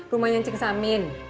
rumahnya cing salmin